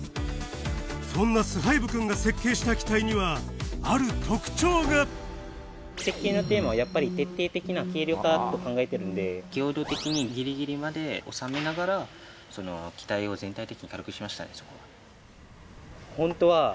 そんなスハイブくんが設計した機体にはある特徴が設計のテーマはやっぱり徹底的な軽量化と考えているので強度的にギリギリまで収めながら機体を全体的に軽くしましたね。